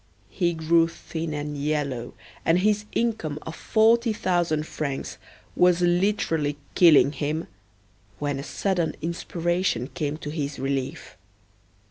He grew thin and yellow, and his income of forty thousand francs was literally killing him, when a sudden inspiration came to his relief.